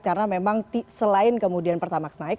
karena memang selain kemudian pertamax naik